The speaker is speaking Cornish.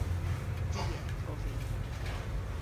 Diek ov vy.